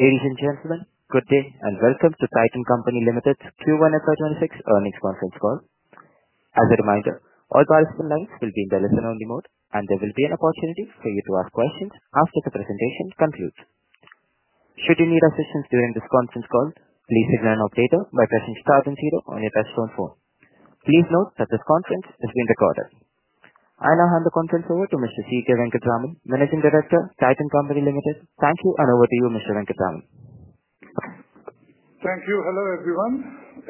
Ladies and gentlemen, good day and welcome to Titan Company Limited's Q1 FY 2026 earnings conference call. As a reminder, all calls from now will be in the living room remote, and there will be an opportunity for you to ask questions after the presentation concludes. Should you need assistance during this conference call, please visit an operator by pressing star and zero on your best known phone. Please note that this conference is being recorded. I now hand the conference over to Mr. C K Venkataraman, Managing Director, Titan Company Limited. Thank you, and over to you, Mr. Venkataraman. Thank you. Hello, everyone.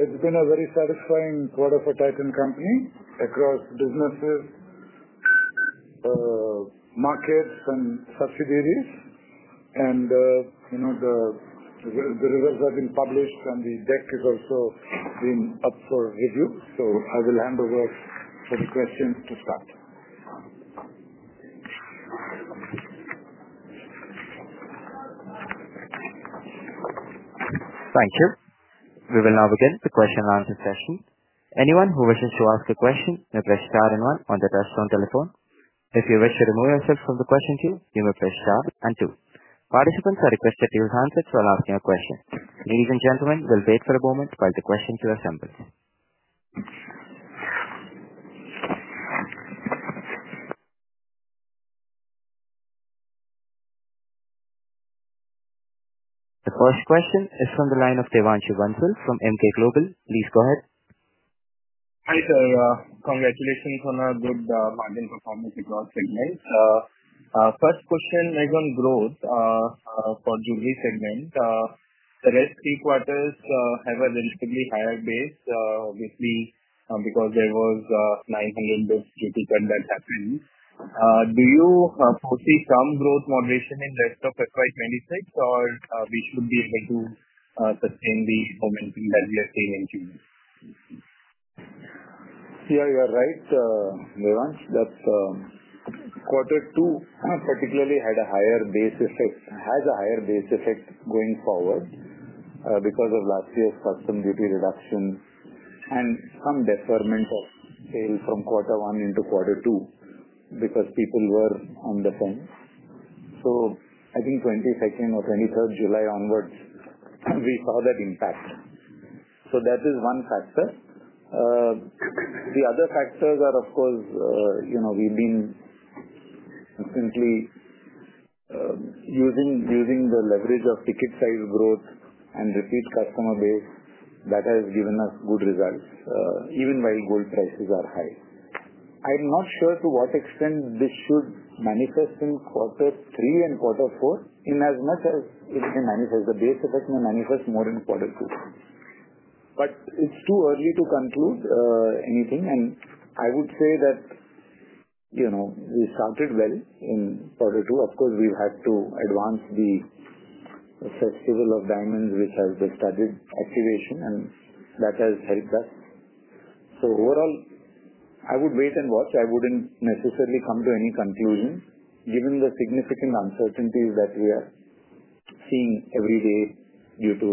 It's been a very satisfying quarter for Titan Company across businesses, markets, and subsidiaries. You know the results have been published, and the deck has also been up for review. I will hand over for the questions to start. Thank you. We will now begin the question and answer session. Anyone who wishes to ask a question may press star and one on their best known telephone. If you wish to remove yourself from the question queue, you may press star and two. Participants are requested to use handsets while asking your questions. Ladies and gentlemen, we'll wait for a moment while the question queue assembles. The first question is from the line of Devanshu Bansal from MK Global. Please go ahead. Hi, sir. Congratulations on a good margin performance across segments. First question is on growth for the jewelry segment. The rest of the quarter's average is higher based, obviously because there was INR 900 crores due to contract tax relief. Do you foresee some growth moderation in the rest of Q3 or we should be able to sustain the overall Q2? Sure, you're right, Devansh. That quarter two particularly had a higher base effect, has a higher base effect going forward because of last year's custom duty reduction and some deferment of sales from quarter one into quarter two because people were on the phone. I think 22nd or 23rd July onwards, we saw that impact. That is one factor. The other factors are, of course, you know we've been simply using the leverage of ticket size growth and repeat customer base. That has given us good results even while gold prices are high. I'm not sure to what extent this was manifest in quarter three and quarter four. In as much as it may manifest, the base effect may manifest more in quarter two. It's too early to conclude anything. I would say that you know we started well in quarter two. Of course, we've had to advance the Festival of Diamonds, which has the studded activation, and that has helped us. Overall, I would wait and watch. I wouldn't necessarily come to any conclusion given the significant uncertainties that we are seeing every day due to,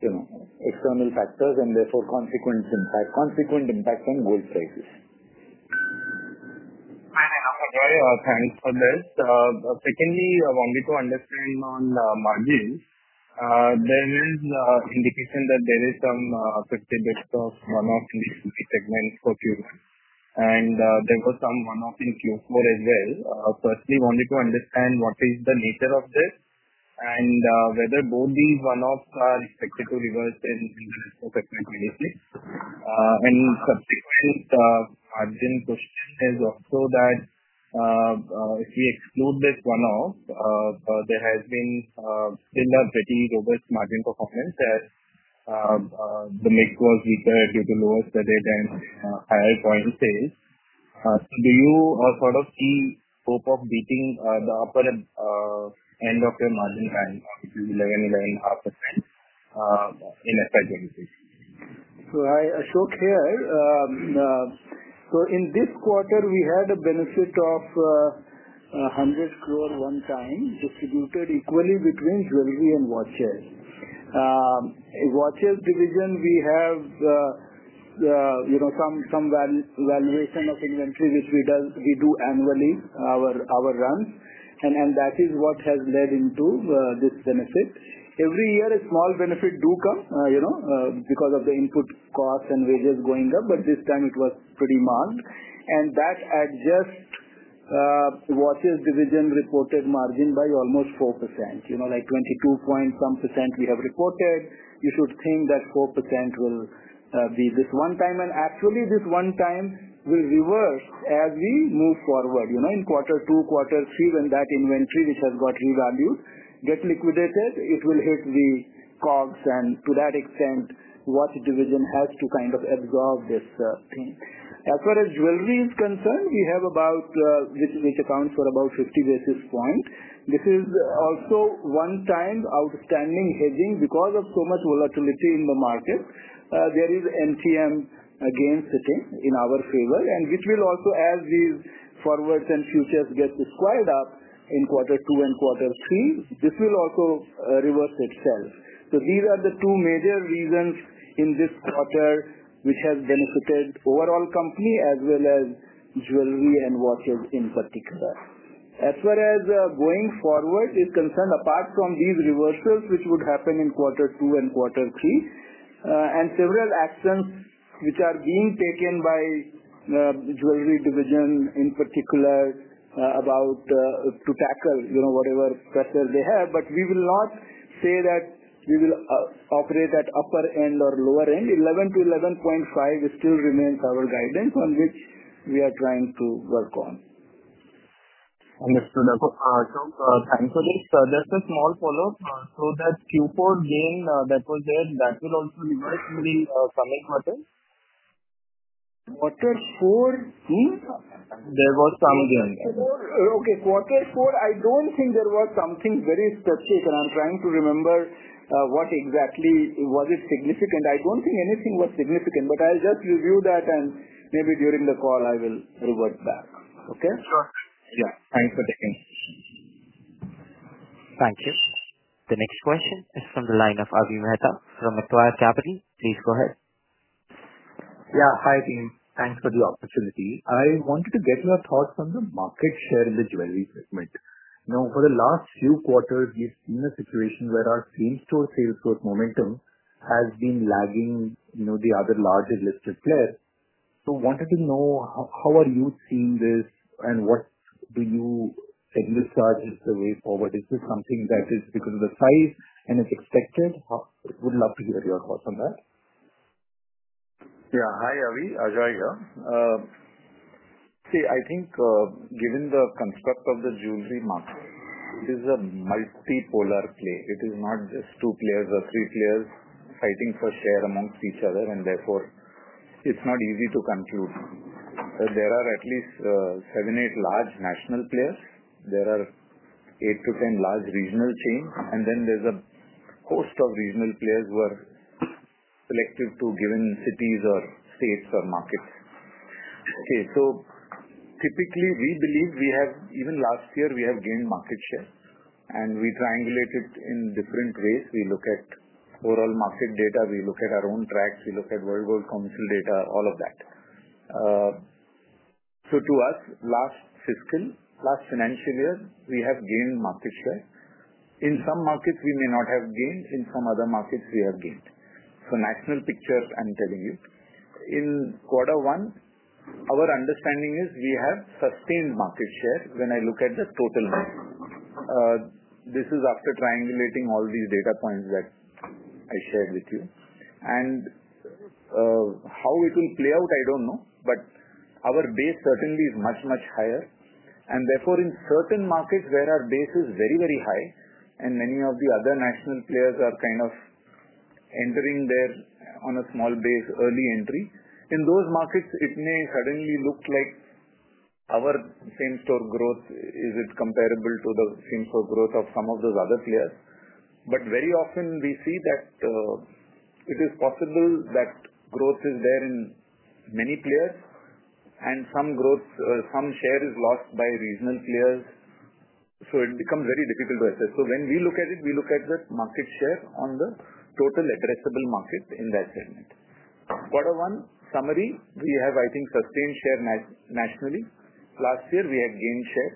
you know, external factors and therefore consequent impact on gold prices. I have a couple of things for this. Secondly, I want people to understand on the margins. There is indication that there is some effective risk of one-off in the Q3 segment for Q3, and there was some one-off in Q4 as well. Firstly, I want you to understand what is the nature of this and whether both these one-offs are successfully reversed in Q3. Consistent margin has also that if you exclude this one-off, there has been still not pretty robust margin performance as the mix was repaired due to lowest better than higher volume sales. Do you sort of see hope of beating the upper end of your margin high, if you lay any laying half % in a staggering case? I showed here. In this quarter, we had a benefit of 100 crore one time, distributed equally between jewelry and watch sales. Watch sales division, we have the, you know, some valuation of inventory, which we do annually, our run. That is what has led into this benefit. Every year, a small benefit does come, you know, because of the input cost and wages going up. This time, it was pretty mild. That adds, just watches division reported margin by almost 4%. You know, like 22 point some percent we have reported. You should think that 4% will be this one time. Actually, this one time will reverse as we move forward. In quarter two, quarter three, when that inventory, which has got revalued, gets liquidated, it will hit the COGS. To that extent, the division has to kind of absorb this thing. As far as jewelry is concerned, we have about, which accounts for about 50 basis points. This is also one time outstanding hedging because of too much volatility in the market. There is NTM again sitting in our favor, which will also, as these forwards and futures get squared up in quarter two and quarter three, this will also reverse its call. These are the two major reasons in this quarter, which has benefited overall company as well as jewelry and watches in particular. As far as going forward is concerned, apart from these reversals, which would happen in quarter two and quarter three, and several actions which are being taken by the jewelry division in particular, about, to tackle, you know, whatever pressure they have. We will not say that we will operate at upper end or lower end. 11%-11.5% still remain our guidance on which we are trying to work on. Understood. Thanks for this. Just a small follow-up. That's Q4 gain that was there. That will also revert in the following quarter? Q4? There was some gain. Q4, I don't think there was something very specific. I'm trying to remember what exactly was it significant. I don't think anything was significant, but I'll just review that and maybe during the call, I will revert back. Okay? Yeah, thanks for sharing. Thank you. The next question is from the line of Abhimanyu Meta from Acquired Capital. Please go ahead. Yeah. Hi, team. Thanks for the opportunity. I wanted to get your thoughts on the market share in the jewelry segment. For the last few quarters, we've seen a situation where our same-store sales growth momentum has been lagging the other larger listed players. I wanted to know how are you seeing this and what do you think is the way forward? Is this something that is because of the size and is expected? I would love to hear your thoughts on that. Yeah. Hi, Abhi. Ajoy. See, I think given the construct of the jewelry market, this is a multipolar play. It is not just two players or three players fighting for share amongst each other. Therefore, it's not easy to compute. There are at least seven, eight large national players. There are 8 to 10 large regional chains, and then there's a host of regional players who are selected to given cities or states or markets. Typically, we believe we have, even last year, we have gained market share. We triangulate it in different ways. We look at overall market data, we look at our own tracks, we look at World Council data, all of that. To us, last fiscal, last financial year, we have gained market share. In some markets, we may not have gained. In some other markets, we have gained. National picture, I'm telling you. In quarter one, our understanding is we have sustained market share when I look at the total win. This is after triangulating all these data points that I shared with you. How it will play out, I don't know. Our base certainly is much, much higher. Therefore, in certain markets, where our base is very, very high and many of the other national players are kind of entering there on a small base, early entry, in those markets, it may suddenly look like our same store growth is comparable to the same store growth of some of those other players. Very often, we see that it is possible that growth is there in many players and some growth, some share is lost by regional players. It becomes very difficult to assess. When we look at it, we look at the market share on the total addressable market in that segment. Quarter one, summary, we have, I think, sustained share nationally. Last year, we have gained share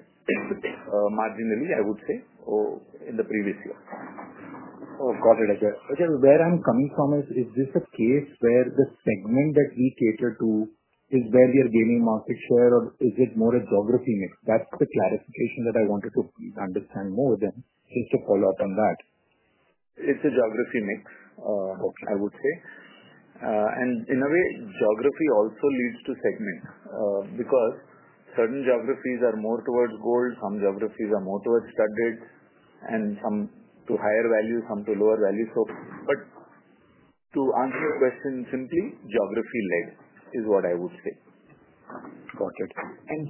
marginally, I would say, or in the previous year. Okay. Where I'm coming from is, is this a case where the segment that we cater to is where you're gaining market share, or is it more a geography mix? That's the clarification that I wanted to understand more. Please follow up on that. It's a geography mix, I would say. In a way, geography also leads to segment because certain geographies are more towards gold, some geographies are more towards studded, and some to higher values, some to lower values. To answer your question simply, geography-led is what I would say. Got it.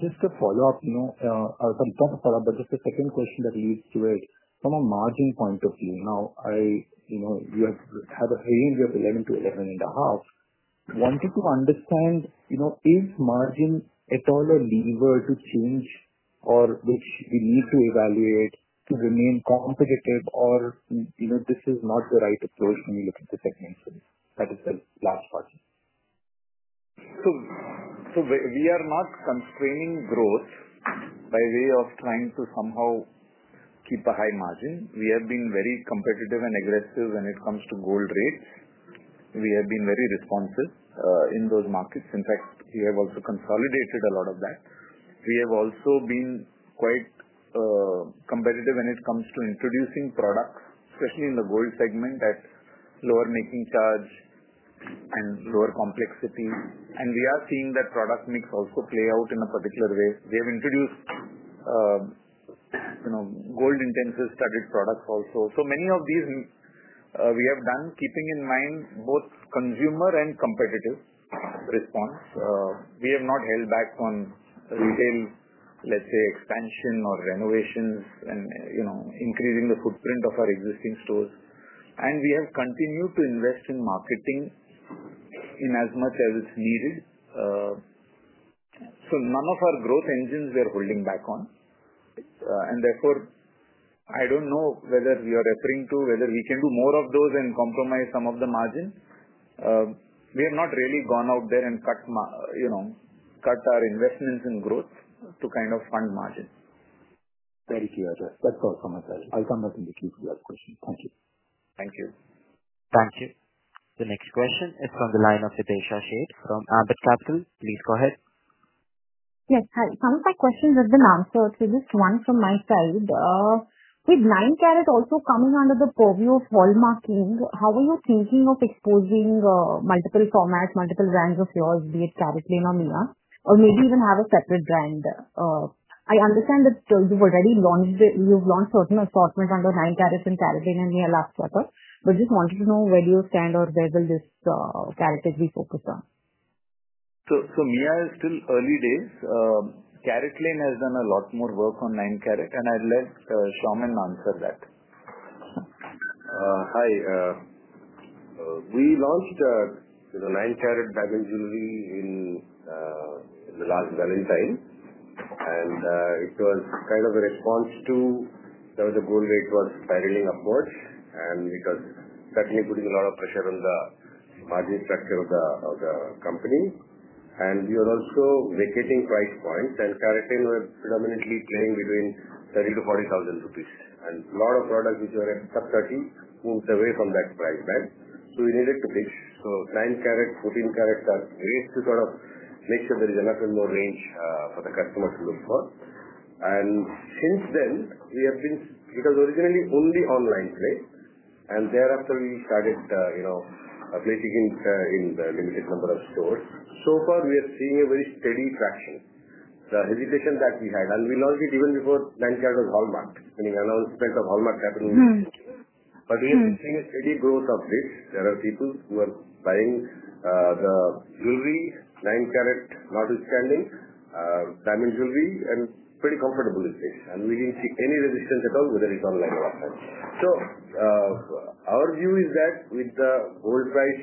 Just to follow up, I'll come back to follow up, but just the second question that leads to it. From a margin point of view, now, you have had a range of 11%-11.5%. Wanted to understand, is margin at all a lever to change or which we need to evaluate to remain competitive, or this is not the right approach when you look at the segment? That was the last part. We are not constraining growth by way of trying to somehow keep a high margin. We have been very competitive and aggressive when it comes to gold rates. We have been very responsive in those markets. In fact, we have also consolidated a lot of that. We have also been quite competitive when it comes to introducing products, especially in the gold segment at lower making charge and lower complexity. We are seeing that product mix also play out in a particular way. We have introduced gold-intensive studded products also. Many of these, we have done, keeping in mind both consumer and competitive response. We have not held back on retail expansion or renovations and increasing the footprint of our existing stores. We have continued to invest in marketing in as much as it's needed. None of our growth engines we are holding back on. Therefore, I don't know whether we are referring to whether we can do more of those and compromise some of the margin. We have not really gone out there and cut our investments in growth to kind of fund margins. Thank you, Ajoy. That's all from us. I'll come back and take you to the other question. Thank you. Thank you. Thank you. The next question, it's from the line of Videesha Sheth from Abbott Capital. Please go ahead. Yes. I come with a question with the non-store thrillist one from my side. With 9-carat also coming under the purview of Walmart King, how are you thinking of exposing multiple formats, multiple brands of yours, be it CaratLane or Mia, or maybe even have a separate brand? I understand that you've already launched it. You've launched certain assortments under 9-carat in CaratLane and Mia last quarter. Just wanted to know where do you stand or where will this CaratLane be focused on? Mia is still early days. CaratLane has done a lot more work on 9-carat. I'll let Saumen answer that. Hi. We launched, you know, 9-carat jewelry in the last Valentine. It was kind of a response to where the gold rate was spiraling upwards and was certainly putting a lot of pressure on the hardness factor of the company. We were also vacating price points. CaratLane was predominantly playing between 30,000-40,000 rupees, and a lot of products which were at sub-INR 30,000 moved away from that price band. We needed to pitch. 9-carat, 14-carat are used to sort of make sure there is a little more range for the customer to look for. Since then, we have been, it was originally only an online play. Thereafter, we've started, you know, placing in a limited number of stores. So far, we are seeing a very steady fashion. The hesitation that we had, we launched it even before 9-carat was Walmart. I mean, announcement of Walmart happened in 2018. We have seen a steady growth of this. There are people who are buying the jewelry, 9-carat, Batu Chandan, diamond jewelry, and pretty comfortable is this. We didn't see any resistance at all, whether it's online or offline. Our view is that with the gold price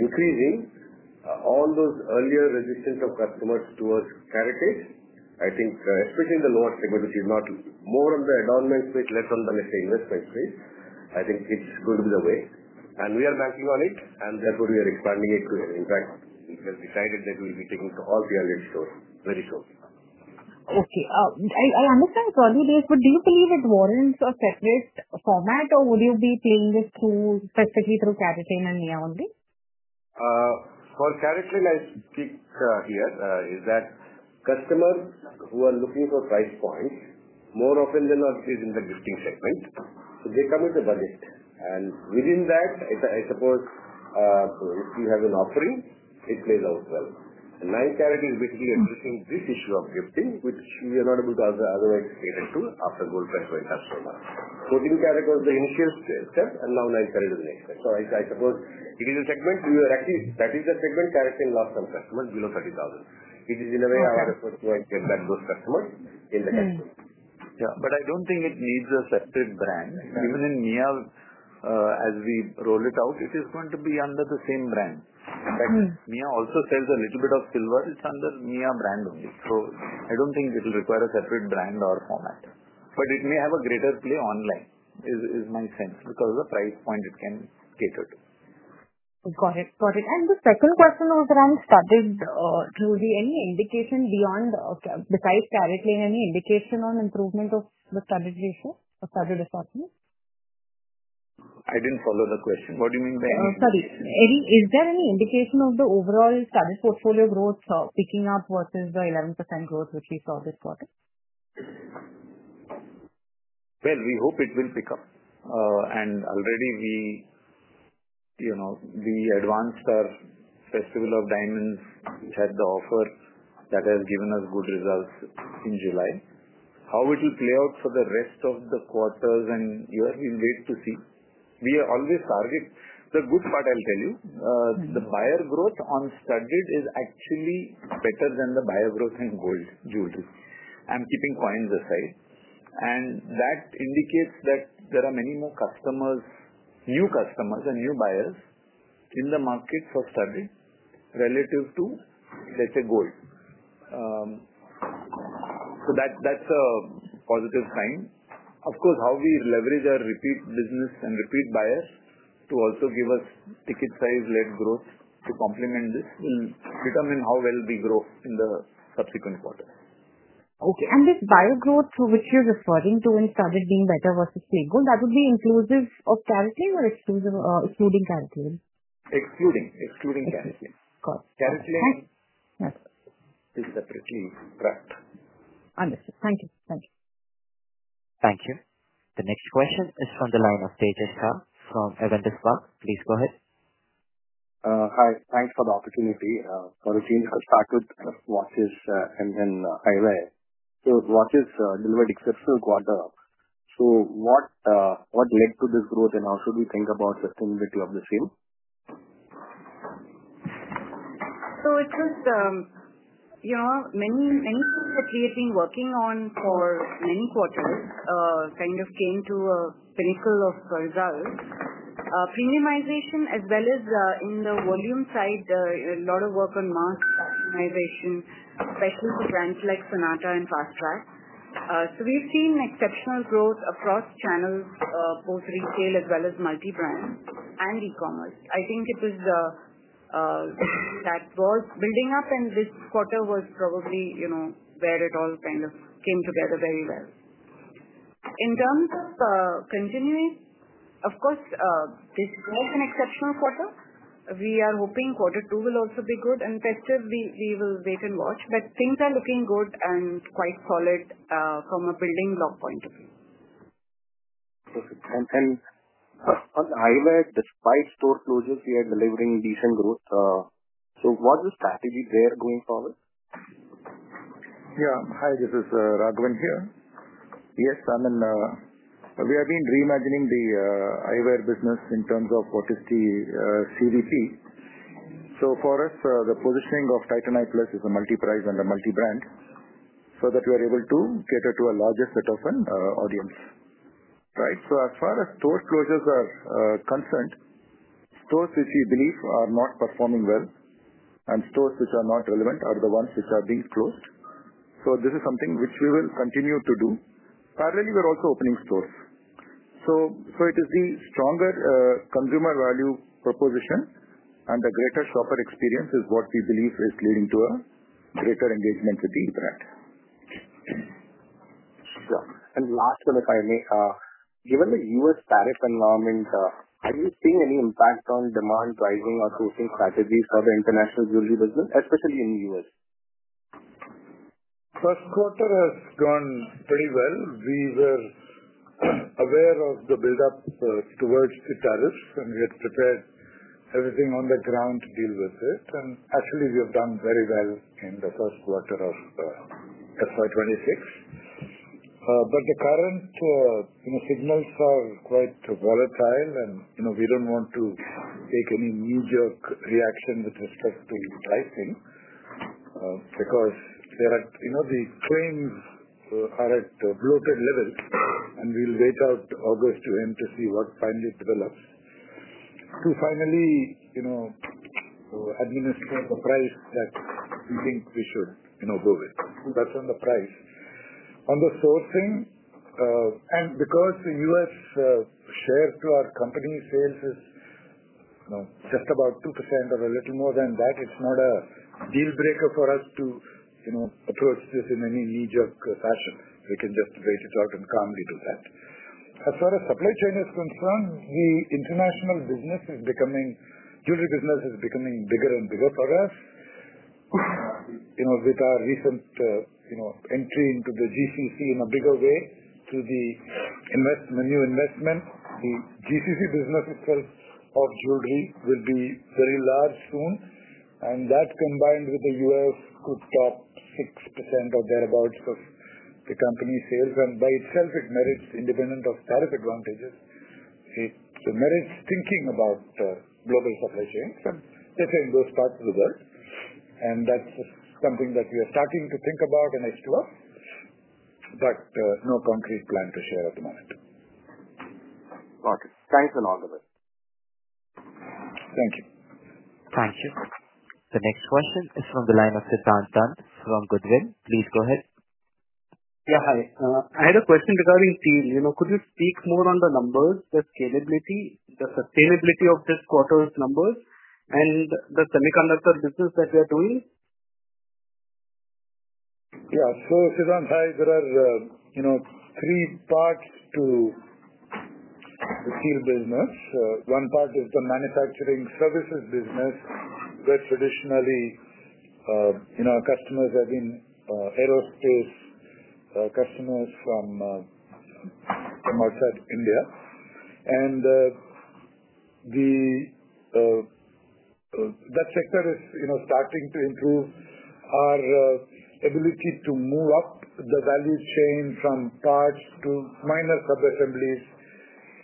increasing, all those earlier resistance of customers towards CaratLane, I think, especially in the lower segment, which is not more on the adornment space, less on the nesting investment space, I think it's going to be the way. We are banking on it and therefore, we are expanding it. In fact, it was decided that we'll be taking it to all periods very shortly. Okay. I understand it's early days, but do you believe it warrants a separate format, or will you be playing this pool separately through CaratLane and Mia only? For CaratLane, I speak here, is that customers who are looking for price points more often than not, which is in the listing segments, they come with the budget. Within that, I suppose if you have an offering, it plays out well. 9-carat jewelry is basically addressing this issue of gifting, which we are not able to otherwise pay rental after gold price went up so much. 14-carat jewelry was the initial set, and now 9-carat jewelry is the next set. I suppose it is a segment we are actually, that is a segment CaratLane lost some customers below 30,000. It is in a way our effort to get those customers in the category. Yeah. I don't think it needs a separate brand. Even in Mia, as we roll it out, it is going to be under the same brand. In fact, Mia also sells a little bit of silver. It's under Mia brand only. I don't think it'll require a separate brand or format. It may have a greater play online is my sense because of the price point it can cater to. Got it. Got it. The second question was around studded jewelry. Any indication beyond besides CaratLane, any indication on improvement of the studded ratio or studded assortment? I didn't follow the question. What do you mean by any? Studded. Is there any indication of the overall studded portfolio growth picking up versus the 11% growth which we saw reported? We hope it will pick up. Already, we advanced our Festival of Diamonds, which had the offer that has given us good results in July. How it will play out for the rest of the quarters, you are in date to see. We always target the good part, I'll tell you. The buyer growth on studded is actually better than the buyer growth on gold jewelry, I'm keeping coins aside. That indicates that there are many more customers, new customers, and new buyers in the market for studded relative to, let's say, gold. That's a positive sign. Of course, how we leverage our repeat business and repeat buyers to also give us ticket size-led growth to complement this becomes in how well they grow in the subsequent quarter. Okay. This buyer growth to which you're referring to in studded being better versus plain gold, that would be inclusive of CaratLane or excluding CaratLane? Excluding. Excluding CaratLane. Got it. Carrot Lane. Thank you. This is a complete draft. Understood. Thank you. Thank you. Thank you. The next question is from the line of Tajas Shah from Evander’s Park. Please go ahead. Hi. Thanks for the opportunity. For the change, I'll start with watches and then eyewear. Watches delivered exceptional quarter. What led to this growth and how should we think about the thing of the sale? It was, you know, many things that we have been working on for many quarters kind of came to a pinnacle of results. Premiumization as well as in the volume side, a lot of work on mass customization, especially for brands like Sonata and Fastrack. We have seen exceptional growth across channels, both retail as well as multi-brand and e-commerce. I think it is that growth building up in this quarter was probably, you know, where it all kind of came together very well. In terms of continuing, of course, this was an exceptional quarter. We are hoping quarter two will also be good and effective. We will wait and watch. Things are looking good and quite, call it, from a building block point of view. Perfect. On eyewear, despite store closures, we are delivering decent growth. What's the strategy there going forward? Hi, this is N S Raghavan here. We have been reimagining the eyewear business in terms of positive CVP. For us, the positioning of Titan EyePlus is multi-price and multi-brand so that we are able to cater to a larger set of an audience. As far as store closures are concerned, stores which we believe are not performing well and stores which are not relevant are the ones which are being closed. This is something which we will continue to do. Parallely, we're also opening stores. It is the stronger consumer value proposition and the greater shopper experience that we believe is leading to greater engagement with these brands. Given the U.S. tariff environment, have you seen any impact on demand, pricing, or hosting strategies for the international jewelry business, especially in the U.S.? First quarter has gone pretty well. We were aware of the build-up towards the U.S. tariffs, and we had prepared everything on the ground to deal with it. Actually, we have done very well in the first quarter of 2026. The current signals are quite volatile, and we don't want to take any knee-jerk reaction with respect to pricing because they're at, you know, the same are at bloating levels. We'll wait out August to end to see what timelines develop, finally administering a price that we think we should go with. That's on the price. On the sourcing, and because the US share to our company sales is just about 2% or a little more than that, it's not a deal breaker for us to approach this in any knee-jerk fashion. We can just wait it out and calmly do that. As far as supply chain is concerned, the international business is becoming, jewelry business is becoming bigger and bigger for us. With our recent entry into the GCC in a bigger way through the new investment, the GCC business itself of jewelry will be very large soon. That combined with the US could swap 6% or thereabouts of the company sales. By itself, it merits independent of tariff advantages. It merits thinking about the global supply chain and getting those parts of the world. That's something that we are starting to think about in a store, but no concrete plan before at the moment. Got it. Thanks a lot, Abhim. Thank you. Thank you. The next question is from the line of Siddhant Dand from Goodwill. Please go ahead. Hi. I had a question regarding sales. You know, could you speak more on the numbers, the scalability, the sustainability of this quarter's numbers, and the semiconductor business that we are doing? Yeah. Siddhant, hi. There are three parts to the seal business. One part is the manufacturing services business. Traditionally, our customers have been aerospace customers from outside India. That sector is starting to improve. Our ability to move up the value chain from parts to minor subassemblies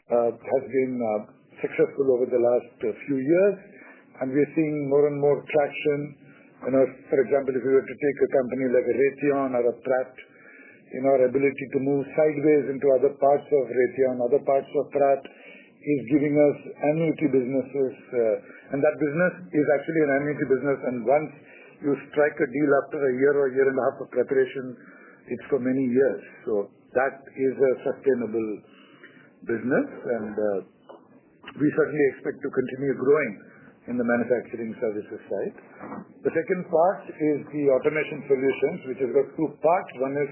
has been successful over the last few years. We are seeing more and more traction. For example, if we were to take a company like Raytheon or Pratt, our ability to move sideways into other parts of Raytheon, other parts of Pratt, is giving us annuity businesses. That business is actually an annuity business. Once you strike a deal after a year or a year and a half of preparation, it's for many years. That is a sustainable business. We certainly expect to continue growing in the manufacturing services fold. The second part is the automation solutions, which has two parts. One is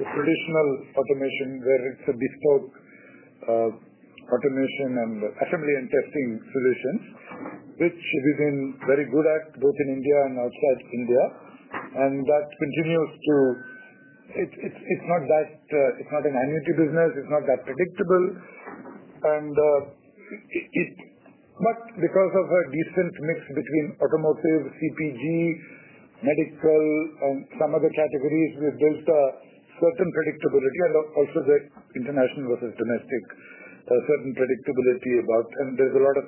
the traditional automation where it's a bit for automation and assembly and testing solutions, which we've been very good at both in India and outside, like Singapore. That continues. It's not an annuity business. It's not that predictable, but because of a decent mix between automotive, CPG, medical, and some other categories, it builds a certain predictability. Also, the international versus domestic mix gives a certain predictability, and there's a lot of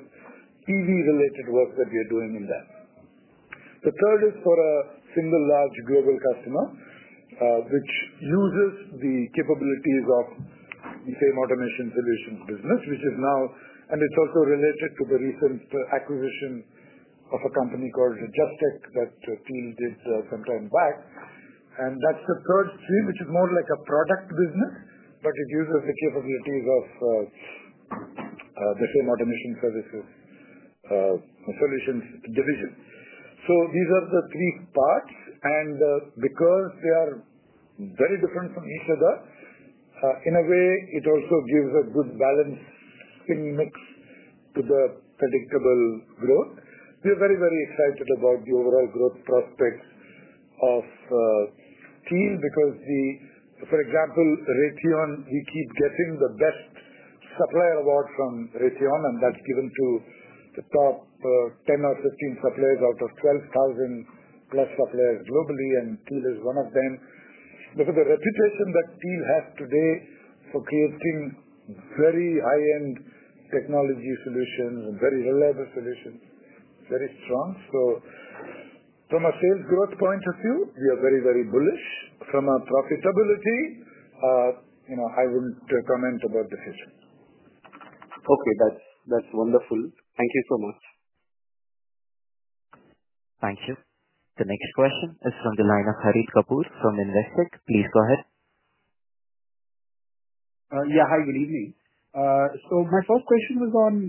TV-related work that we are doing in that. The third is for a single large global customer, which uses the capabilities of the same automation solution business, and it's also related to the recent acquisition of a company called JustTech. That team gives a compound back. That's the third stream, which is more like a product business, but it uses the capabilities of the same automation services solutions division. These are the three parts. Because they are very different from each other, in a way, it also gives a good balance in the mix to the predictable growth. We are very, very excited about the overall growth prospects of seal because, for example, Raytheon, we keep getting the best supplier award from Raytheon, and that's given to the top 10 or 15 suppliers out of 12,000 plus suppliers globally, and seal is one of them. Because of the reputation that seal has today for creating very high-end technology solutions and very reliable solutions, it's very strong. From a sales growth point of view, we are very, very bullish. From a profitability, I wouldn't comment about the future. Okay, that's wonderful. Thank you so much. Thank you. The next question is from the line of Harit Kapoor from Investec. Please go ahead. Hi. Good evening. My first question was on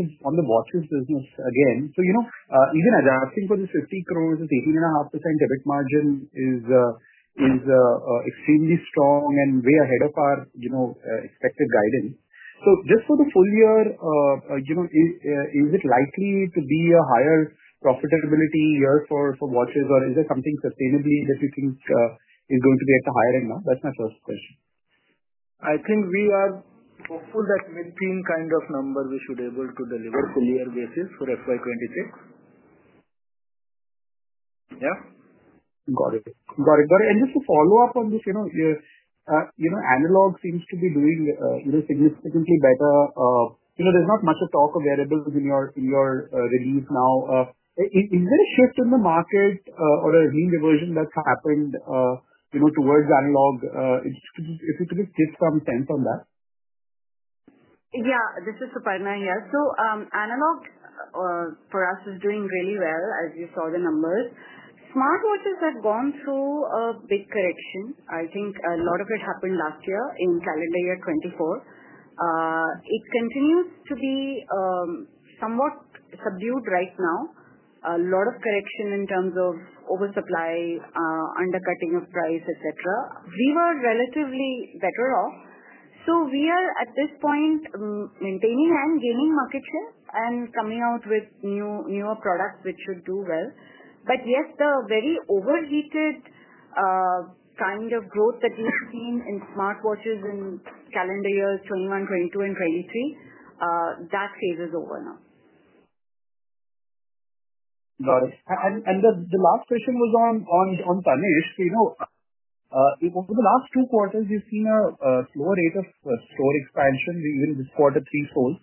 the watches business again. Even adapting for the 50 crore, the 13.5% EBIT margin is extremely strong and way ahead of our expected guidance. For the full year, is it likely to be a higher profitability year for watches, or is there something sustainably that you think is going to get a higher amount? That's my first question. I think we are hopeful that with the kind of number we should be able to deliver on a full-year basis for FY 2026. Got it. Got it. Got it. Just to follow up on this, you know, analog seems to be doing significantly better. There's not much talk of wearables in your release now. Is there a shift in the market or a reinversion that's happened towards analog? If you could just give some sense on that. Yes. Analog for us is doing really well, as you saw the numbers. Smartwatches have gone through a big correction. I think a lot of it happened last year in calendar year 2024. It continues to be somewhat subdued right now. A lot of correction in terms of oversupply, undercutting of price, etc. We were relatively better off. We are at this point maintaining and gaining market share and coming out with newer products which should do well. The very overheated kind of growth that we've seen in smartwatches in calendar year 2021, 2022, and 2023, that phase is over now. Got it. The last question was on finance. Over the last two quarters, we've seen a lower rate of store expansion in this quarter Q4.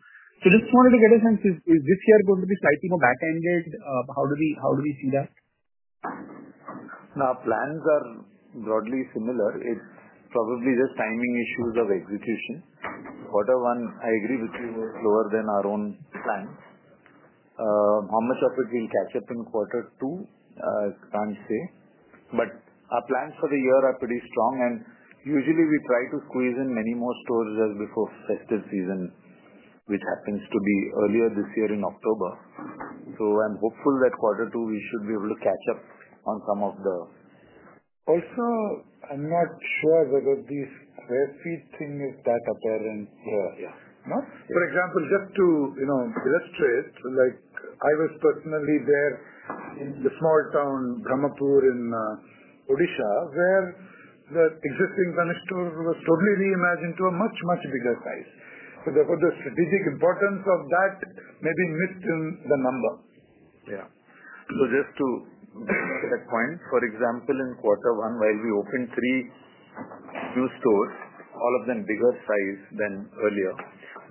Just wanted to get a sense, is this year going to be tightly more back-ended? How do we see that? Our plans are broadly similar. It's probably the timing issues of execution. Quarter one, I agree with you, lower than our own plans. How much of it we'll catch up in quarter two, I can't say. Our plans for the year are pretty strong. Usually, we try to squeeze in many more stores before festive season, which happens to be earlier this year in October. I'm hopeful that quarter two, we should be able to catch up on some of the. Also, I'm not sure whether this web feed thing is part of our own store. For example, just to illustrate, I was personally there in the small town Brahmapur in Odisha where the existing stores were totally reimagined to a much, much bigger size. The strategic importance of that may be missed in the number. Yeah. For example, in quarter one, while we opened three new stores, all of them bigger size than earlier,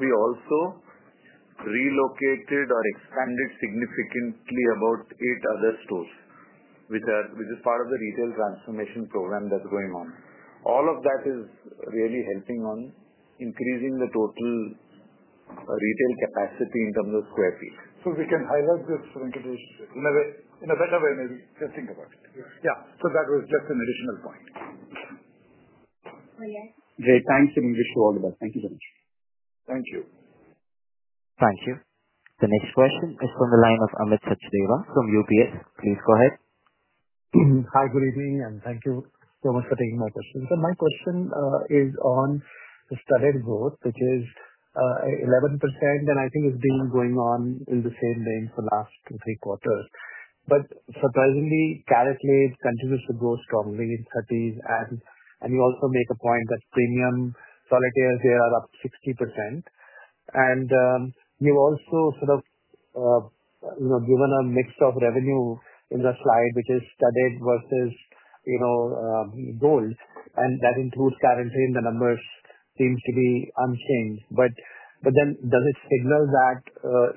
we also relocated or expanded significantly about eight other stores, which is part of the retail transformation program that's going on. All of that is really helping on increasing the total retail capacity in terms of square feet. We can highlight this in a better way, maybe. Just think about it. That was just an additional point. Great. Thanks in English for all of us. Thank you very much. Thank you. Thank you. The next question is from the line of Amit Sachdeva from UBS. Please go ahead. Hi. Good evening. Thank you so much for taking my questions. My question is on the studded growth, which is 11%, and I think it's been going on in the same vein for the last two to three quarters. Surprisingly, CaratLane continues to grow strongly in studded. You also make a point that premium solid here are up 60%. You've also sort of given a mix of revenue in the slide, which is studded versus gold, and that includes CaratLane. The numbers seem to be unchanged. Does it signal that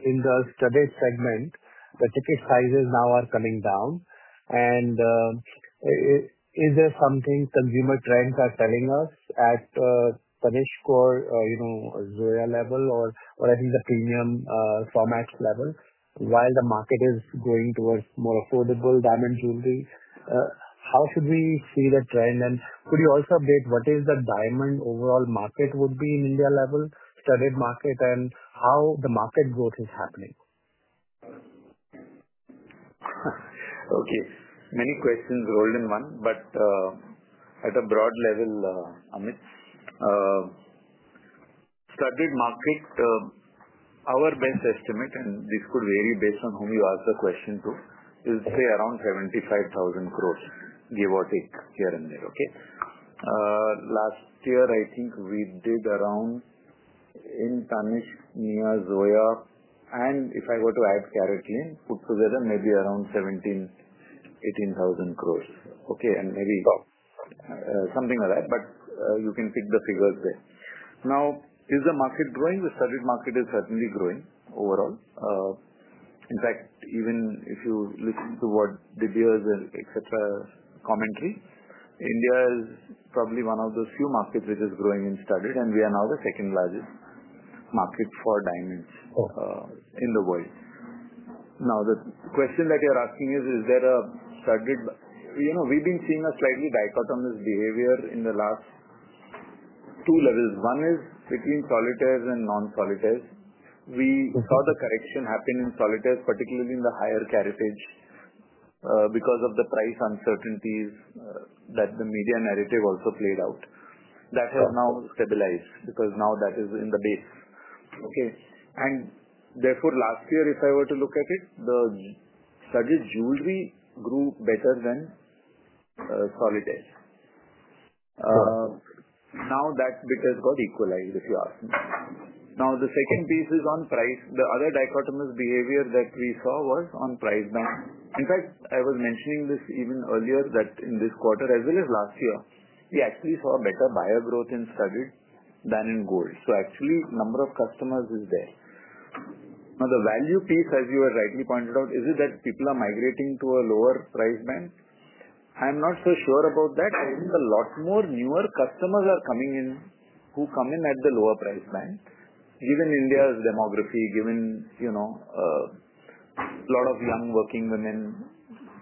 in the studded segment, the ticket sizes now are coming down? Is there something consumer trends are telling us at the finished core or level, or at the premium format level, while the market is going towards more affordable diamond jewelry? How should we see that trend? Could you also update what the diamond overall market would be at the India level, studded market, and how the market growth is happening? Okay. Many questions rolled in one. At a broad level, Amit, studded market, our best estimate, and this could vary based on whom you ask the question to, is around 75,000 crore, give or take here and there. Last year, I think we did around in Tanishq, Mia, Zoya, and if I were to add CaratLane, put together maybe around 17,000, 18,000 crore, and maybe something like that. You can pick the figures there. Now, is the market growing? The studded market is certainly growing overall. In fact, even if you listen to what the dealers and commentary, India is probably one of those few markets which is growing in studded. We are now the second largest market for diamonds in the world. The question that you're asking is, is there a studded? We've been seeing a slightly dichotomous behavior in the last two levels. One is between solitaires and non-solitaires. We saw the correction happen in solitaires, particularly in the higher caratage because of the price uncertainties that the media narrative also played out. That has now stabilized because now that is in the base. Therefore, last year, if I were to look at it, the studded jewelry grew better than solitaires. That's because it got equalized, if you ask me. The second piece is on price. The other dichotomous behavior that we saw was on price. In fact, I was mentioning this even earlier that in this quarter as well as last year, we actually saw better buyer growth in studded than in gold. Actually, the number of customers is there. The value piece, as you were rightly pointing out, is it that people are migrating to a lower price band? I'm not so sure about that. I think a lot more newer customers are coming in who come in at the lower price band, given India's demography, given a lot of young working women,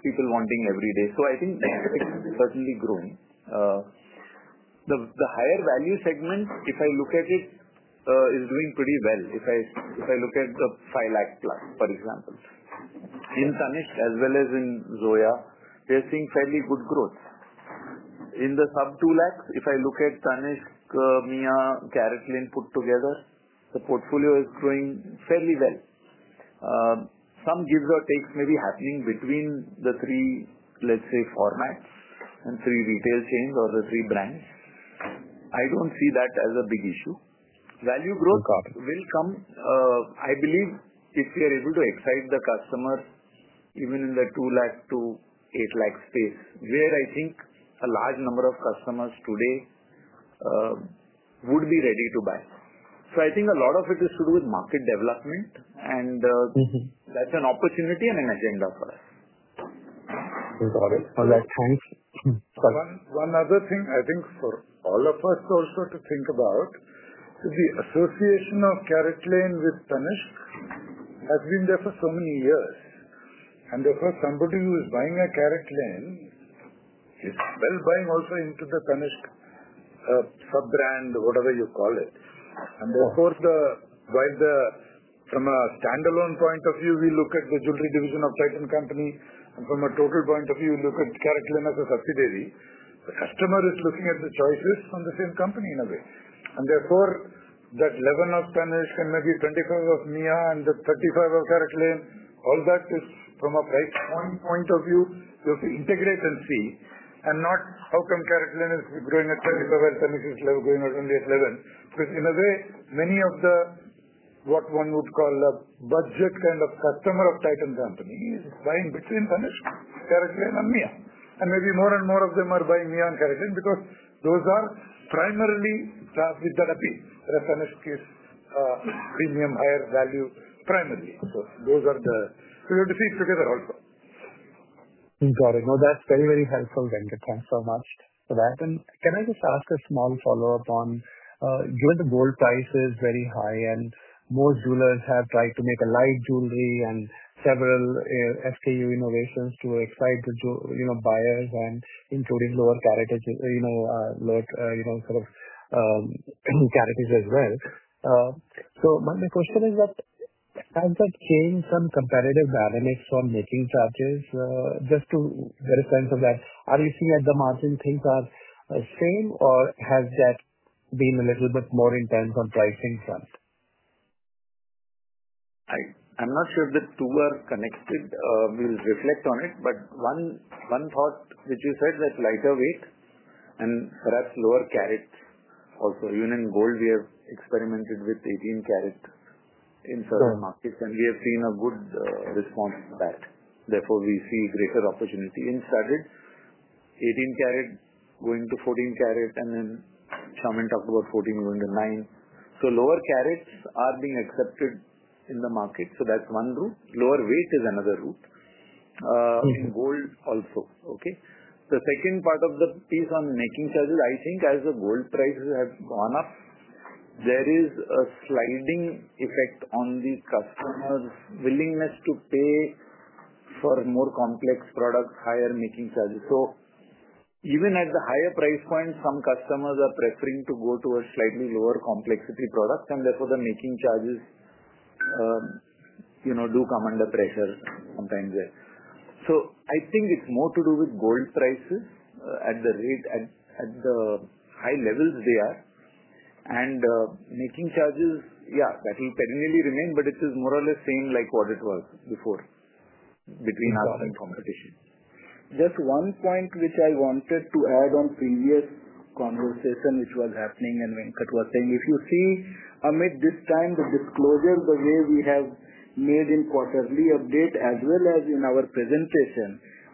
people wanting every day. I think it's certainly growing. The higher value segment, if I look at it, is doing pretty well. If I look at the 500,000 plus, for example, in Tanishq as well as in Zoya, we are seeing fairly good growth. In the sub 200,000, if I look at Tanishq, Mia, CaratLane put together, the portfolio is growing fairly well. Some gives or takes may be happening between the three, let's say, formats on three retail chains or the three brands. I don't see that as a big issue. Value growth will come. I believe if we are able to excite the customers even in the 200,000 to 800,000 space, where I think a large number of customers today would be ready to buy. I think a lot of it is to do with market development. That's an opportunity and an agenda for us. Got it. On that point. One other thing I think for all of us also to think about is the association of CaratLane with Tanishq. I've been there for so many years. Of course, somebody who is buying a CaratLane is well, buying also into the Tanishq sub-brand, whatever you call it. While from a standalone point of view, we look at the jewelry division of Titan Company. From a total point of view, we look at CaratLane as a subsidiary. The customer is looking at the choices from the same company in a way. Therefore, that 11 of Tanishq and maybe 25 of Mia and the 35 of CaratLane, all that is from a price point of view, we have to integrate and see. Not how can CaratLane be growing at 25 and Tanishq is going at only at 11. In a way, many of what one would call a budget kind of customer of Titan Company is buying between Tanishq, CaratLane, and Mia. Maybe more and more of them are buying Mia and CaratLane because those are primarily stuff which are appealing. In a Tanishq case, premium higher value primarily. Of course, those are the so you have to think together also. Got it. No, that's very, very helpful. Then the cash from us for that. Can I just ask a small follow-up on you went to gold price is very high and most jewelers have tried to make a light jewelry on several product innovations to excite the buyers, including lower quality, you know, sort of caratages as well. My question is that has that changed some competitive dynamics from making charges? Just to get a sense of that, are you seeing at the margin things are the same or has that been a little bit more intense on pricing fronts? I'm not sure if the two are connected. We'll reflect on it. One thought which you said that lighter weight and perhaps lower carat also. Even in gold, we have experimented with 18-carat in certain markets. We have seen a good response to that. Therefore, we see greater opportunity in studded. 18-carat going to 14-carat and then someone talked about 14 going to 9. Lower carats are being accepted in the market. That's one route. Lower weight is another route in gold also. The second part of the piece on making charges, I think as the gold prices have gone up, there is a sliding effect on the customer's willingness to pay for more complex products, higher making charges. Even at the higher price points, some customers are preferring to go to a slightly lower complexity product. Therefore, the making charges do come under pressure sometimes there. I think it's more to do with gold prices at the rate and at the high levels they are. Making charges, yeah, that will perennially remain, but it is more or less same like what it was before between stock and competition. Just one point which I wanted to add on previous conversation which was happening and Venkat was saying, if you see Amit this time with the closure, the way we have made in quarterly update as well as in our presentation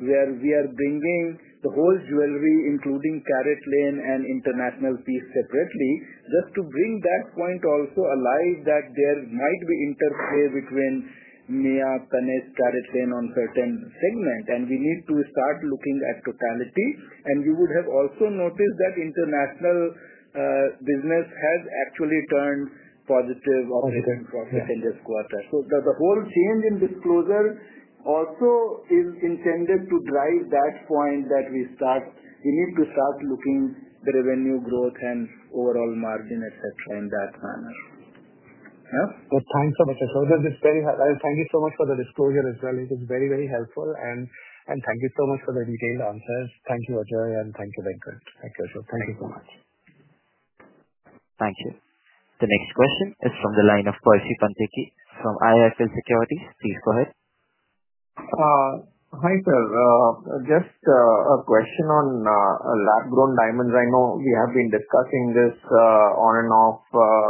where we are bringing the whole jewelry, including CaratLane and international piece separately, just to bring that point also alive that there might be interplay between Mia, Tanishq, CaratLane on certain segments. We need to start looking at totality. You would have also noticed that international business has actually turned positive for the second quarter. The whole change in this closure also is intended to drive that point that we need to start looking at the revenue growth and overall margin, etc., in that manner. Thank you for the closure. Thank you so much for the disclosure as well. It was very, very helpful. Thank you so much for the detailed answers. Thank you, Ajoy, and thank you, Ambuj. Thank you so much. Thank you. The next question is from the line of Koushik Panditi from IIFL Securities. Please go ahead. Hi, Sir. Just a question on lab-grown diamond. I know we have been discussing this on and off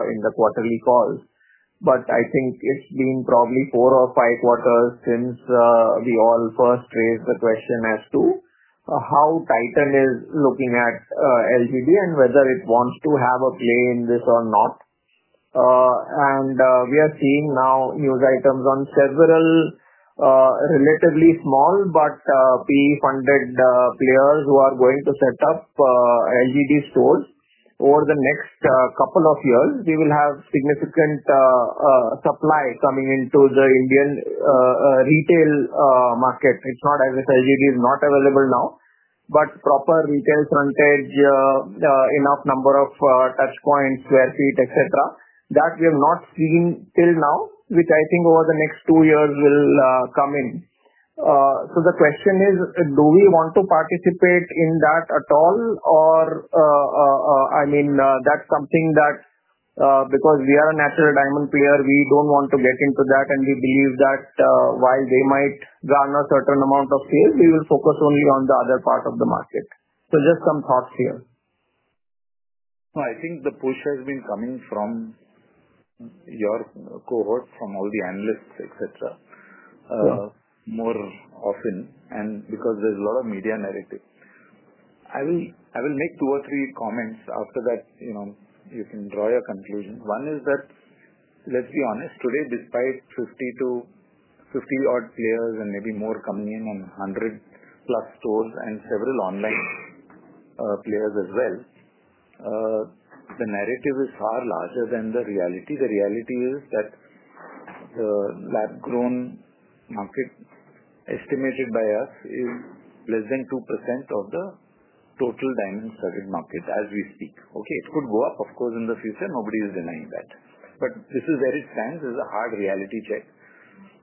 in the quarterly calls. I think it's been probably four or five quarters since we all first raised the question as to how Titan is looking at LGD and whether it wants to have a play in this or not. We are seeing now news items on several relatively small but PE-funded players who are going to set up LGD stores over the next couple of years. They will have significant supply coming into the Indian retail market. It's not as if LGD is not available now, but proper retail frontage, enough number of touchpoints, square feet, etc., that we have not seen till now, which I think over the next two years will come in. The question is, do we want to participate in that at all? I mean, that's something that because we are a natural diamond player, we don't want to get into that. We believe that while they might run a certain amount of players, they will focus only on the other part of the market. Just some thoughts here. I think the push has been coming from your cohort, from all the analysts, etc., more often. Because there's a lot of media narrative, I will make two or three comments after that. You know, you can draw your conclusion. One is that let's be honest. Today, despite 50 to 50-odd players and maybe more coming in on 100+ stores and several online players as well, the narrative is far larger than the reality. The reality is that the lab-grown market estimated by us is less than 2% of the total diamond studded market as we speak. It could go up, of course, in the future. Nobody is denying that. This is where it stands. It is a hard reality check.